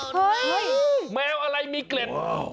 เฮ้ยแมวอะไรมีเกล็ด